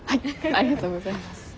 ありがとうございます。